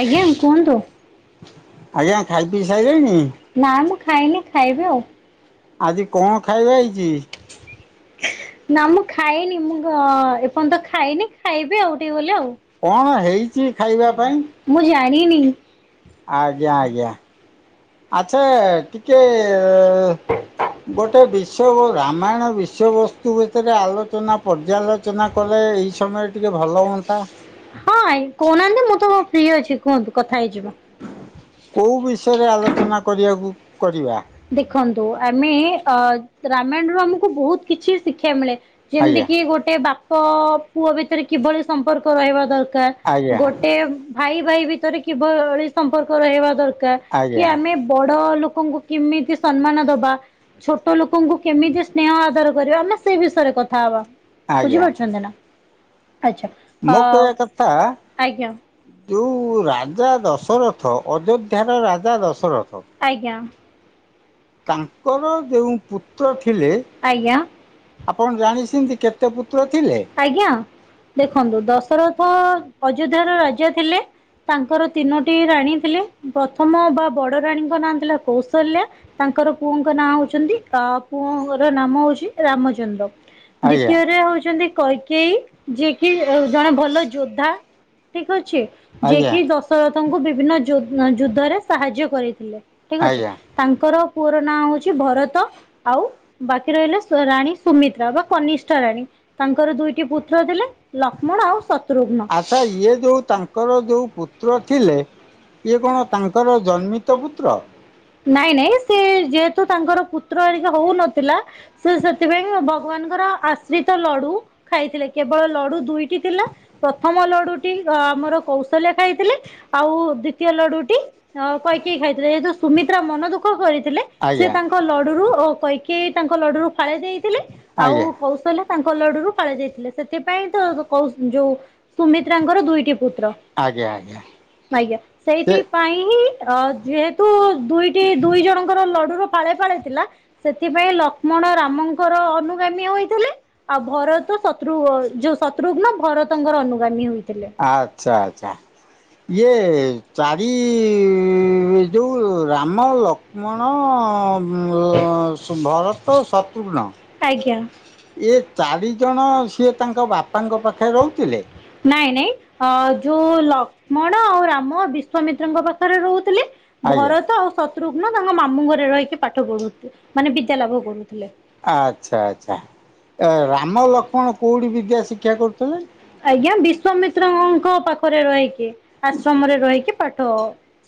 ଆଜ୍ଞା କୁହନ୍ତୁ, ଆଜ୍ଞା ଖାଇ ପିଇ ସାଇଲେଣି? ନାମ ଖାଇ ନି ଖାଇବି ଆଉ। ଆଜି କଣ ଖାଇବା ହେଇଚି? ନା ମୁଁ ଖାଇନି ମୁଁ ଏପଯ୍ୟନ୍ତ ତ ଖାଇନି ଖାଇବି ଆଉ ଟିକେ ଗଲେ ଆଉ କଣ ହେଇଚି ଖାଇବା ପାଇଁ? ଜାଣିନିି। ଆଜ୍ଞା ଆଜ୍ଞା ଆଛା ଟିକେ ଅ ଗୋଟେ ବିଶ୍ଵ ରାମାୟଣ ବିଶ୍ୱବସ୍ତୁ ଭିତରେ ଆଲୋଚନା ପର୍ଯ୍ୟାଲୋଚନା କଲେ ଏଇ ସମୟରେ ଟିକେ ଭଲ ହୁଅନ୍ତା। ହଁ କହୁନାହାନ୍ତି ମୁଁ ତୋ ଫ୍ରି ଅଛି କୁହନ୍ତୁ କ କୋଉ ବିଷୟରେ ଆଲୋଚନା କରିବାକୁ କରିବା। ଖନ୍ତୁ ଆମେ ରାମାୟଣ ରୁ ଆମକୁ ବହୁତ କିଛି ଶିକ୍ଷା ମିଳେ ଯେମିତି ଆଜ୍ଞା କି ଗୋଟେ ବାପ ପୁଅ ଭିତରେ କି କିଭଳି ସମ୍ପର୍କ ରହିବା ଦରକାର ଆଜ୍ଞା ଗୋଟେ ଭାଇ ଭାଇ ଭିତରେ କିଭଳି ସମ୍ପର୍କ ରହ ଦରକାର କି ଆଜ୍ଞା ଆମେ ବଡ ଲୋକଙ୍କୁ କେମିତି ସମ୍ମାନ ଦବା ଛୋଟ ଲୋକଙ୍କୁ କେମିତି ସ୍ନେହ ଆଧାର କରିବା ଆମେ ସେ ବିଷୟରେ କଥା ହବା। ବୁଝି ଆଜ୍ଞା ପାରୁଛନ୍ତି ନା? ଆଚ୍ଛା ଅ ମୋ କହିବା କଥା ଆଜ୍ଞା ଯୋଉ ରାଜା ଦଶରଥ ଅଯୋଧ୍ୟାର ରାଜା ଦଶରଥ। ଆଜ୍ଞା। ତାଙ୍କର ଯେଉଁ ପୁତ୍ର ଥିଲେ ଆଜ୍ଞା। ଆପଣ ଜାଣିଛନ୍ତି କେତେ ପୁତ୍ର ଥିଲେ? ଆଜ୍ଞା ଦେଖନ୍ତୁ ଦଶରଥ ଅଯୋଧ୍ୟାର ରାଜା ଥିଲେ ତାଙ୍କର ତିନୋଟି ରାଣୀ ଥିଲେ, ପ୍ରଥମ ବା ବଡ ରାଣୀଙ୍କ ନାଁ ଥିଲା କୌଶଲ୍ୟା ତାଙ୍କର ପୁଅଙ୍କ ନାଁ ହେଉଛନ୍ତି, ପୁଅର ନାମ ହେଉଛି ରାମଚନ୍ଦ୍ର ଆଜ୍ଞା ଦ୍ଵିତୀୟରେ ହଉଛନ୍ତି, କୈକେଇ ଯିଏକି ଜଣେ ଭଲ ଯୋଦ୍ଧା ଠିକ ଅଛି, ଯିଏ ଆଜ୍ଞା କିି ଦଶରଥଙ୍କୁ ବିଭିନ୍ନ ଯୁଦ୍ଧରେ ସାହାଯ୍ୟ କରିଥିଲେ ଠିକ ଅଛି ଆଜ୍ଞା ତାଙ୍କର ପୁଅର ନାଁ ହଉଛି ଭରତ, ଆଉ ବାକି ରହିଲା ରାଣୀ ସୁମିତ୍ରା ବା କନିଷ୍ଠା ରାଣୀ ତାଙ୍କର ଦୁଇଟି ପୁତ୍ର ଥିଲେ। ଲକ୍ଷ୍ମଣ ଆଉ ଶତ୍ରୁଘ୍ନ ଆଚ୍ଛା ଇଏ ଯୋଉ ତାଙ୍କର ଯୋଉ ପୁତ୍ର ଥିଲେ ଇଏ କଣ ତାଙ୍କର ଜନ୍ମିତ ପୁତ୍ର? ନାଇଁ ନାଇଁ ସେ ଯେହେତୁ ତାଙ୍କର ପୁ ରିକ ହଉନଥିଲା ସେ ସେଥିପାଇଁ ଭଗବାନଙ୍କର ଆଶ୍ରିତ ଲଡୁ ଖାଇଥିଲେ କେବଳ ଲଡୁ ଦୁଇଟି ଥିଲା ପ୍ରଥମ ଲଡୁଟି ଆମର କୌଶଲ୍ୟ ଖାଇଥିଲେ ଆଉ ଦ୍ୱିତୀୟ ଲଡୁଟି ଅ କହିକି ଖାଇଥିଲେ ଯେହେତୁ ସୁମିତ୍ରା ମନ ଦୁଃଖ କରି ଥିଲେ ସେ ଆଜ୍ଞା ତାଙ୍କ ଲଡୁରୁ କହିକେଇ ତାଙ୍କ ଲଡୁରୁ ଫାଳେ ଦେଇ ଥିଲେ ଆଉ ଆଜ୍ଞା କୌଶଲ ତାଙ୍କ କଲଡୁରୁ କାଳି ଯାଇଥିଲେ ସେଥିପାଇଁ ତ କ ଯୋଉ ସୁମିତ୍ରାଙ୍କର ଦୁଇଟି ପୁତ ଆଜ୍ଞା ସେ ସେଇଥିପାଇଁ ହିଁ ଆ ଯେହେତୁ ଦୁଇଟି ଦୁଇ ଜଣଙ୍କ ର ଲଡୁର ପାଳେ ପାଳେ ଥିଲା ସେଥିପାଇଁ ଲକ୍ଷ୍ମଣ ରାମଙ୍କର ଅନୁଗାମୀ ହୋଇଥିଲେ ଆଉ ଭରତ ଶତ୍ରୁ ଯୋଉ ଶତ୍ରୁଘ୍ନ ଭରତଙ୍କର ଅନୁଗାମୀ ହଇଛି। ଆଚ୍ଛା ଆଛା। ଇଏ ଚାରି ଯୋଉ ରାମ ଲକ୍ ମଣ ଭରତ ଶତ୍ରୁଘ୍ନ ଏ ଚାରି ଣାଙ୍କ ଜଣ ସିଏ ତାଙ୍କ ବାପାଙ୍କ ପାଖରେ ରହୁ ରହୁଥିଲେ? ନାଇଁ ନାଇଁ ଯଉ ଲ ମଣ ଆଉ ରାମ ବିଶ୍ଵାମିତ୍ରଙ୍କ ପାଖରେ ରହୁଥିଲେ, ଆଜ୍ଞା ଭରତ ଆଉ ଶତ୍ରୁ ତାଙ୍କ ମାମୁ ଘରେ ରହିକି ପାଠ ପଢୁଛିୁ ମାନେ ବିଦ୍ୟା ଲାଭ କରୁ। ଆଚ୍ଛା ଆଛା। ରାମ ଲକ୍ଷ୍ମଣ କୋଉଠି ବିଦ୍ୟା ଶିକ୍ଷା କରୁଥିଲେ? ଆଜ୍ଞା ବିଶଵାମିତ୍ରଙ୍କ ପାଖରେ ରହିକି ଆଶ୍ରମରେ ରହିକି ପାଠ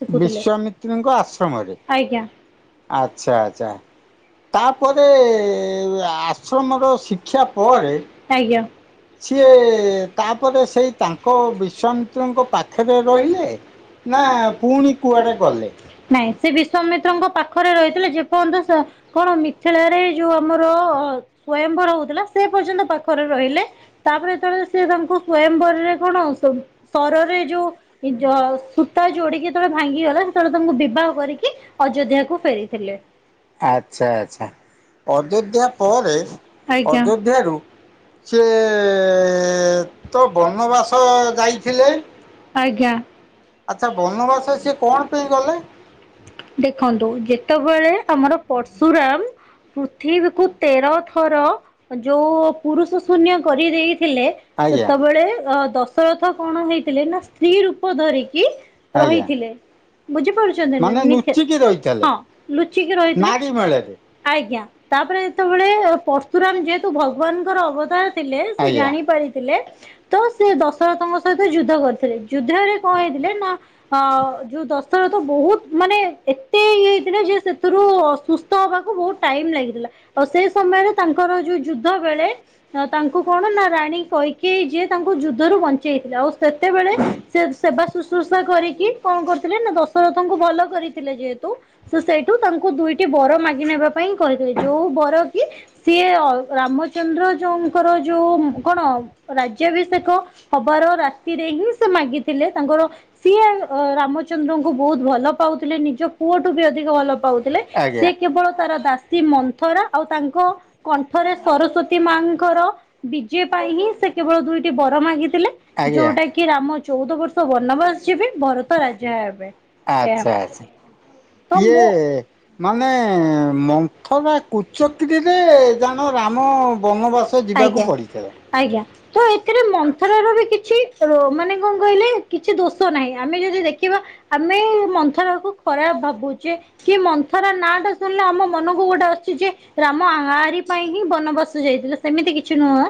ଶିଖୁଥିଲେ। ବିଶ୍ଵାମିତ୍ରଙ୍କ ଆଶ୍ରମରେ ଆଜ୍ଞା। ଆଚ୍ଛା ଆଚ୍ଛା। ତାପରେ ଆଶ୍ରମର ଶିକ୍ଷା ପରେ ଆଜ୍ଞା। ସିଏ ତାପରେ ସେଇ ତାପ ବିଶନ୍ତଙ୍କ ପାଖରେ ରହିଲେ ନା ପୁଣି ହଁ କୁଆଡେ ପଆ କ ଗଲେ? ନାଇଁ। ସେ ବିଶ୍ଵାମିତ୍ରଙ୍କ ପାଖରେ ରହିଥିଲେ ଯେପର୍ଯ୍ୟନ୍ତ କଣ ମିଥାରେ ଯୋଉ ଆମର ସ୍ଵୟଂଭର ହଉଥିଲା ସେ ପର୍ଯ୍ୟନ୍ତ ପାଖରେ ରହିଲେ ତାପରେ ଯେଳେ ସେ ତାଙ୍କୁ ସ୍ଵୟବରରେ କଣ ସରରେ ଯୋଉ ସୂତା ଯୋ ଯେତେବେଳେ ଭାଙ୍ଗିଗଲା ସେତେବେଳେ, ତାଙ୍କୁ ବିବାହ କରିକି ଅଯୋଧ୍ୟାକୁୁ ଫେରିଥିଲେ। ଆଛା ଆଚ୍ଛା ଅଯୋଧ୍ୟା ପରେ ଆଜ୍ଞା ଅଯୋଧ୍ୟ ରୁ ସିଏ ତ ବନବାସ ଯାଇଥିଲେ? ଆଜ୍ଞା। ଆଚ୍ଛା ବନବାସ ସିଏ କଣ ପାଇଁ ଗଲେ? ଦେଖନ୍ତୁ ଯେତେବେଳେ ଆମର ପର୍ଶୁରାମ ପୃଥିବୀକୁ ତେର ଥର ଯୋଉ ପୁରୁଷ ଶୂନ୍ୟ କରି ଥିଲେ ଆଜ୍ଞା ସେତେବେଳେ ଅ ଦଶରଥ କଣ ହେଇଥିଲେ ନା ସ୍ତ୍ରୀ ରୂପ ଧରିକି କି ଆଜ୍ଞା ରହିଥିଲେ ବୁଝିପାରୁଛନ୍ତି ନା? ମାନେ ନିକ ନୁଚିକି ରହିଥିଲେ ହଁ ଲୁଚିକି ନାରୀ ରହିଥିଲେ। ମେଳରେ ଆଜ୍ଞା ତାପରେ ଯେତେବେଳେ ପରର୍ଶୁରାମ ଯେହେତୁ ଭଗବାନଙ୍କର ଅବତାର ଥିଲେ। ସେ ଆଜ୍ଞା ଜାଣିପା ପାରିଥିଲେ। ତ ସେ ଦଶରଥଙ୍କ ସହିତ ଯୁଦ୍ଧ କରିଥିଲେ। ଯୁଦ୍ଧରେ କଣ ହେଇଥିଲେ ନା ଅ ଯୋଉ ଦଶରଥ ବହୁତ ମାନେ ଏତେ ଇ ହେଇଥିଲା ଯେ ସେଥିରୁ ସୁସ୍ଥ ହବାକୁ ବହୁତ ଟାଇମ ଲାଗିଥିଲା। ଆଉ ସେ ସ ସେମାନେ ତାଙ୍କର ଯୋଉ ଯୁଦ୍ଧ ବେଳେ ତାଙ୍କୁ କଣ ନା ରାଣୀ କକୈଇ ଯିଏ। ତାଙ୍କୁ ଯୁଦ୍ଧରୁ ବଞ୍ଚେଇଥିଲେ। ଆଉ ସେତେବେଳେ ସେ ସେବା ସୁଋଷା କରିକି କଣ କରଥିଲେ ନା ଦଶରଥଙ୍କୁ ଭଲ କରିଥିଲେ ଯେହେତୁ ସିଏ ସେଇଠୁ ତାଙ୍କୁ ଦୁଇଟି ବର ମାଗି ନେବା ପାଇଁ କହିଥିଲେ। ଯୋଉ ବର କି ସିଏ ଅଲ ରାମଚନ୍ଦ୍ର ଯୋଉଙ୍କର ଯୋଉ କଣ ରାଜ୍ୟାଭିଷେକ ହବାର ରାତିରେ ହିଁ ସେ ମାଗିଥିଲେ। ତାଙ୍କର ସିଏ ଅଁ ରାମଚନ୍ଦ୍ରଙ୍କୁ ବହୁତ ଭଲ ପାଉଥିଲେ ନିଜ ପୁଅଠୁ ବି ଅଧିକ ଭଲ ପାଉଥିଲେ। ଆଜ୍ଞା ସେ କେବଳ ତାର ଦା ସେ ମନ୍ଥରା ଆଉ ତାଙ୍କ କଣ୍ଠରେ ସରସ୍ଵତୀ ମାଙ୍କର ବିଜେ ପାଇଁ ହିଁ ସେ କେବଳ ଦୁଇଟି ବର ମାଗି ଥିଲେ ଆଜ୍ଞା। ଯୋଉଟା କି ରାମ ଚଉଦ ବର୍ଷ ବନବାସ ଯିବେ ଭରତ ରାଜା ହେବେ। ଏହା ଆଚ୍ଛା ଆଚ୍ଛା। ତ ଇଏ ମାନେ ମନ୍ଥର କୁଚକ୍ରିରେ ଜାଣ ମୁଁ ରାମ ବନବାଶ ଯିବାକୁ ଆଜ୍ଞା ପଡ଼ିଥିଲା। ଆଜ୍ଞା। ତ ଏଥିରେ ମନ୍ଥରାର ବି କିଛି ମାନେ କଣ କହିଲେ କିଛି ଦୋଷ ନାହିଁ। ଆମେ ଯଦି ଦେଖିବା ଆମେ ମନ୍ଥରାକୁୁ ଖରାପ ଭାବୁଚେ। କି ମନ୍ଥରା ନାଁ ଟା ଶୁଣିଲେ ଆମ ମନକୁ ଗୋଟେ ଆସୁଚି ଯେ ରା ରାମ ଆଆରିପାଇଁ ହିଁ ବନ ବାସ ଯାଇଥିଲେ। ସେମିତି କିଛି ନୁହଁ।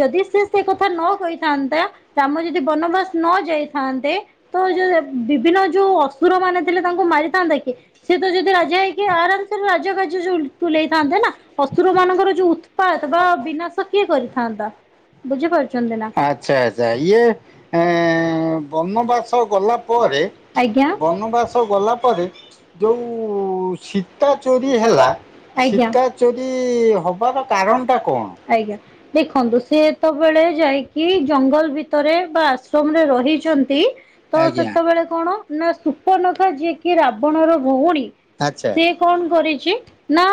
ଯଦି ସିଏ ସେ କଥା ନ କହିଥାନ୍ତା ରାମ ଯଦି ବନବାସ ନ ଯାଇଥାନ୍ତେ। ତ ଯୋଉ ବିଭିନ୍ନ ଯୋଉ ଅସୁର ମାନ ଥିଲେ ତାଙ୍କୁ ମାରିଥାନ୍ତା କିଏ? ସେ ତ ଯଦି ରାଜା ହେଇକି। ଆରାମସେ ରାଜା କାର୍ଯ୍ୟତୁଲ ଥାନ୍ତେ ନା ଅସୁର ମାନଙ୍କର ଯୋଉ ଉତ୍ପାତ ବା ବିନାଶ କିଏ କରିଥାନ୍ତା। ବୁଝିପାରୁଚନ୍ତି ନା। ଆଚ୍ଛା ଆଚ୍ଛା ଇଏ ଏଁ ବନବାସ ଗଲା ପରେ। ଆଜ୍ଞା। ବନବାସ ଗଲା ପରେ। ଯୋଉ ସୀତା ଚୋରି ହେଲା। ସୀତା ଚୋରି ହବାର କା କାରଣ ଟା କଣ ଆଜ୍ଞା। ଦେଖନ୍ତୁ ସିଏ ଯେତେବେଳେ ଯାଇକି ଜଙ୍ଗଲ ଭିତରେ ବା ଆଶ୍ରମରେ ରହିଛନ୍ତି। ତ ଆଜ୍ଞା। ସେତେବେଳେ କଣ ନା ସୁପନଖା ଯିଏକି ରାବଣର ଭଉଣୀ। ଆଚ୍ଛା। ସେ କଣ କରିଛି। ନା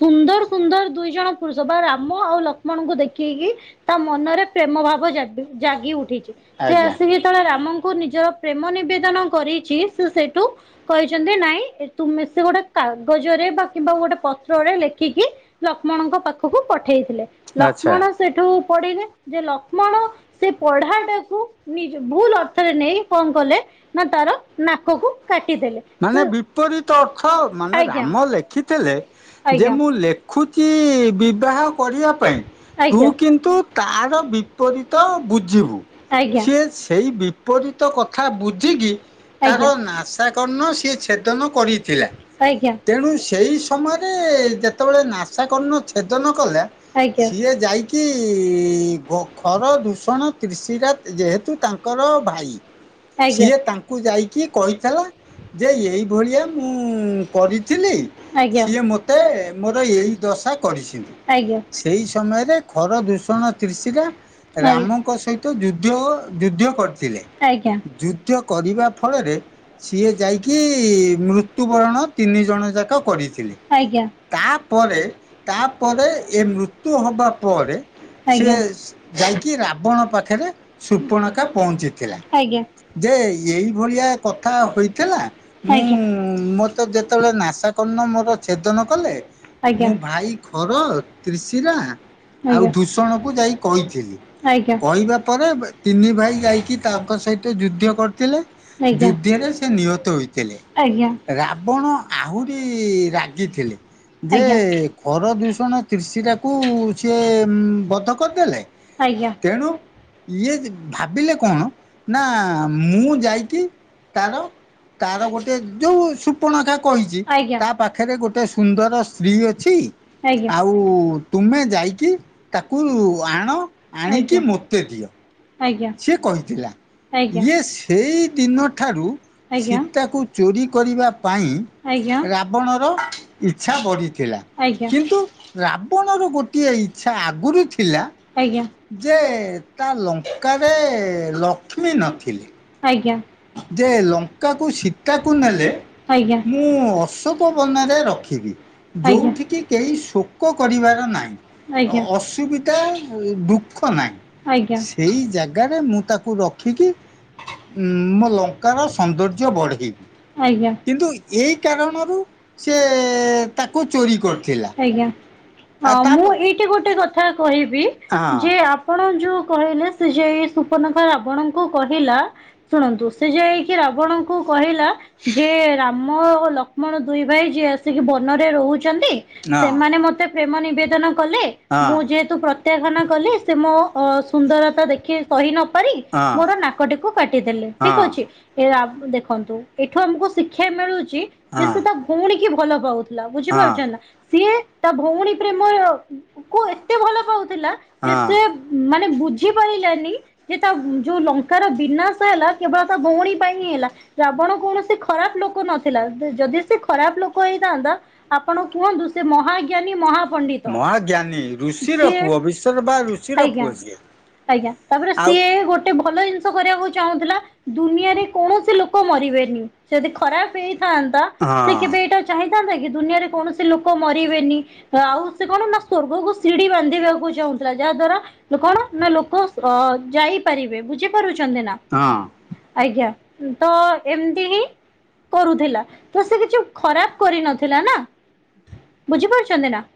ସୁନ୍ଦର ସୁନ୍ଦର ଦୁଇ ଜଣ ପୁରୁଷ ବା ରାମ ଆଉ ଲ ଲକ୍ଷ୍ମଣ ଙ୍କୁ ଦେଖେଇକି ତା ମନରେ ପ୍ରେମ ଭାବ ଜାଗି ଜାଗି ଉଠିଛି। ସେ ଆଜ୍ଞା। ଆସିକି ଯେତେବେଳେ ରାମଙ୍କୁ ନିଜର ପ୍ରେମ ନିବେଦନ କରି। ସିଏ ସେଉଠୁ କହିଛନ୍ତି। ନାଇଁ ତୁମେ ସେ ଗୋଟେ କାଗଜରେ ବା କିମ୍ବା ଗୋଟେ ପତ୍ର। ରେ ଲେଖିକି ଲକ୍ଷ୍ମଣଙ୍କ ପାଖକୁ ପଠେଇଥିଲେ। ଆଚ୍ଛା। ଲକ୍ଷ୍ମଣ ସେଇଠୁ ପଢିଲେ। ଯେ ଲ ମଣ ସେ ପଢା ଟାକୁ ନିଜ ଭୁଲ ଅର୍ଥରେ ନେଇ। କଣ କଲେ ନା ତାର ନାକ କୁ ମାନେ କାଟିଦେଲେ ବିପରୀତ ଆଜ୍ଞା ଅର୍ଥ ଯୁକ୍ତି ମାନେ ରାମ ଯୁକ୍ତ ଅର୍ଥ ଲେଖିଥିଲେ ଆଜ୍ଞା। ଯେ ମୁଁ ଲେଖୁଛି ବିବାହ କରିବା ପାଇଁ। ତୁ କିନ୍ତୁ ତାର ବି ବିପରୀତ ବୁଝିବୁ। ସିଏ ସେଇ ବିପରୀତ କଥା ବୁଝିକି? ତାର ନାଶାକଣ୍ଣ ସିଏ ଛେଦନ କରିଥିଲା। ଆଜ୍ଞା ତେଣୁ ସେଇ ସମୟରେ ଯେତେବେଳେ ନାଶାକଣ୍ଣ ଛେଦନ କଲା। ଆଜ୍ଞା ସିଏ ଯାଇକି ଗୋ ଘର ଦୁଷଣ ତ୍ରିଶିରା ଯେହେତୁ ତାଙ୍କର ଭାଇ ସିଏ ତାଙ୍କୁ ଯାଇକି କହିଥିଲା। ଯେ ଏଇଭଳିଆ ମୁଁ କରିଥିଲି। ଆଜ୍ଞା ସିଏ ମତେ ମୋର ଏଇ ଦଶ ଦଶା କରିଛନ୍ତି। ଆଜ୍ଞା ସେଇ ସମୟରେ ଖର ଦୂଷଣ ତ୍ରିଶିରା ରାମଙ୍କ ସହି ତ ଯୁଦ୍ଧ ଯୁଦ୍ଧ କରିଥିଲେ। ଆଜ୍ଞା ଯୁଦ୍ଧ କରିବା ଫଳରେ ସିଏ ଯାଇକି ମୃତ୍ୟୁବରଣ ତିନି ଜଣ ଯାକ କରିଥିଲେ। ଆଜ୍ଞା ତାପରେ ତାପରେ ଏ ମୃତ୍ୟୁ ହବା ପରେ। ସିଏ ଯାଇକି ରାବଣ ପାଖରେ ଶୃପଣଖା ପହଞ୍ଚିଥିଲା ଆଜ୍ଞା ଯେ ଏଇ ଭଳିଆ କଥା ହୋଇଥିଲା ମୁଁ ମତେ ଯେତେବେଳେ ନାଶା କର୍ଣ୍ଣ ମୋର ଛେଦନ ଆଜ୍ଞା। କଲେ ଆଜ୍ଞା। ମୁଁ ଭାଇ ଖର ତ୍ରିଶିରା ଆଉ ଦୂଷଣ କୁ ଯାଇ କହିଥିଲି ଆଜ୍ଞା। କହିବା ପରେ ତିନି ଆଜ୍ଞା। ଭାଇ ଆଜ୍ଞା ଯାଇକି ତାଙ୍କ ସହିତ ଯୁଦ୍ଧ କରିଥିଲେ ଆଜ୍ଞା ଆଜ୍ଞା। ଯୁଦ୍ଧରେ ସେ ନିହତ ହୋଇଥିଲେ ଆଜ୍ଞା ଆଜ୍ଞା। ରାବଣ ଆହୁରି ରାଗିଥିଲେ। ଯେ ଖର ଦୂଷଣ ତ୍ରିଶିରା ଟାକୁ ସିଏ ବଧ କରିଦେଲେ। ଆଜ୍ଞା। ତେଣୁ ଇଏ ଭାବିଲେ କଣ ନା ମୁଁ ଯାଇକି ତାର କାହାକୁ। ତାର ଗୋଟେ ଯୋଉ ସୃପଣଖା କହିଛି ତା ପାଖରେ ଗୋଟେ ସୁନ୍ଦର ସ୍ତ୍ରୀ ଅଛି। ଆଜ୍ଞା ଆଉ ତୁମେ ଯାଇକି ତାକୁ ଆଣ ଆଣିକି ମୋତେ ଦିଅ ସିଏ କହିଥିଲା ଇଏ ସେଇ ଦିନ ଠାରୁ ସୀତାକୁ ଚୋରି କରିବା ପାଇଁ ରାବଣର ଇଚ୍ଛା ବଢ଼ିଥିଲା। ଆଜ୍ଞା କିନ୍ତୁ ରାବଣର ଗୋଟିଏ ଇଚ୍ଛା ଆଗରୁ ଥିଲା ଆଜ୍ଞା ଯେ ତା ଲଙ୍କାରେ ଲକ୍ଷ୍ମୀ ନଥିଲେ ଯେ ଲଙ୍କାକୁ ସୀତାକୁ ନେଲେ ମୁଁ ଅଶୋକ ବନରେ ରଖେ। ଆଜ୍ଞା। ଯୋଉଠ କିି କେହି ଆଜ୍ଞା। ଶୋକ କରିବାର ନାହିଁ ଅସୁବିଧା ଦୁଖ ନାହିଁ ଆଜ୍ଞା ସେଇ ଜାଗାରେ ମୁଁ ତାକୁ ରଖିକି ଉଁ ଲଙ୍କାର ସୌନ୍ଦର୍ଯ୍ୟ ବଢେଇବି ଆଜ୍ଞା କିନ୍ତୁ ଏଇ କାରଣରୁ ସେଏ ତାକୁ ଚୋରି କରିଥିଲା। ଆଜ୍ଞା ହଁ ଆଉ ତାପ ମୁଁ ଏଇଠି ଗୋଟେ କଥା କହିବି ଯେ ଆପଣ ଯୋଉ କହିଲେ ସେ ଯାଇ ସୁପଣଖ ରାବଣଙ୍କୁ କହିଲା ଶୁଣନ୍ତୁ ସେ ଯାଇକି ରାବଣ ଙ୍କୁ କହିଲା ଯେ ରାମ ଓ ଲକ୍ଷ୍ମଣ ଦୁଇ ଭାଇ ଯିଏ ଆସିକି ବନରେ ରହୁ ଚନ୍ତି ହଁ ସେମାନେ ମତେ ପ୍ରେମ ନିବେଦନ କଲେ ହଁ ମୁଁ ଯେହେତୁ ପ୍ରତ୍ୟାଖାନା କଲି ସେ ମୋ ସୁନ୍ଦରତା ଦେଖି ସହି ନ କରି ହଁ। ମୋର ନାକଟିକୁ କାଟିଦେଲେ ଠିକ ହଁ ଅଛି ରାବ ଦେଖନ୍ତୁ ଏଠୁ ଆମକୁ ଶିକ୍ଷା ମିଳୁ କି ଯେ ହଁ ସେ ତା ଭଉଣୀ କି ଭଲ ପାଉଥିଲା ହଁ ବୁଝିପାରୁଛ ନା ସିଏ ତା ଭଉଣୀ ପ୍ରେମର କୁ ଏତେ ଭଲ ପାଉଥିଲା ଯେ ହଁ ସେ ମାନେ ବୁଝି ପାରିଲାନି ଯେ ତା ଯୋଉ ଲଙ୍କାର ବିନାଶ ହେଲା କେବଳ ତା ଭଉଣୀ ପାଇଁ ହିଁ ହେଲା ରା୍ରଣ କୌଣସି ଖରାପ ଲୋକ ନଥିଲା ଯଦି ସେ ଖରାପ ଲୋକ ହେଇଥାନ୍ତା ଆପଣ କୁହନ୍ତୁ ସେ ମହା ଜ୍ଞାନୀ ମହାପଣ୍ଡିତ ମହାଜ୍ଞାନୀ ଋଷିର ସିଏ ପୁଅ ବିଶ୍ଵର ବା ଋଷିର ଆଜ୍ଞା। ପୁଅ ସିଏ। ଆଜ୍ଞା ତାପରେ ଆଉ ସିଏ ଗୋଟେ ଭଲ ଜିନଷ କରିବାକୁ ଚାହୁଁଥିଲା ଦୁନିଆରେ କୌଣସି ଲୋକ ମରିବେନି। ଯଦି ଖରାପ ହେଇଥାନ୍ତା ସେ ହଁ କେବେ ଏଇଟା ଚାହିଁଥାନ୍ତା କି ଦୁନିଆରେ କୌଣସି ଲୋକ ମରିବେନି। ଆଉ ସେ କଣ ନା ସ୍ଵର୍ଗକୁ ସିଡି ବାନ୍ଧିବାକୁ ଚାହୁଁଥିଲା ଯାହା ଦ୍ଵାରା କଣ ନା ଲୋକ ହ ଯାଇପାରିବେ ବୁଝିପାରୁଛନ୍ତି ନା? ହଁ ଆଜ୍ଞା ତ ଏମିତି ହିଁ କରୁଥିଲା ତ ସେ କିଛି ଖରାପ କରି ନଥିଲା ନା ବୁଝିପାରୁଛନ୍ତି ନା?